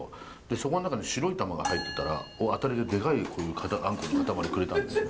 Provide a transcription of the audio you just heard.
そこの中に白い玉が入ってたらあたりででかいこういうあんこの塊くれたんです。